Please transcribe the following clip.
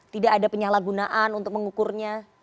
tidak ada penyalahgunaan untuk mengukurnya